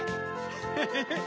フフフ！